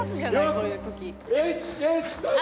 こういう時。